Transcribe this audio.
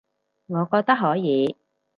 我覺得可以